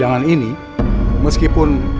aku harus berhasil